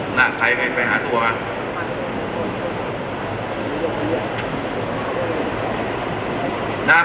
หลังไทยจะไปหาตัวมา